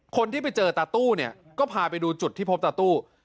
คนที่ไปเจอตาตู้เนี่ยก็พาไปดูจุดที่พบตาตู้